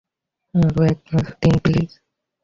আরও এক-গ্লাস দিন, প্লিজ।